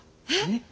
えっ！